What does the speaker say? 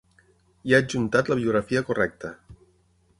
I ha adjuntat la biografia correcta.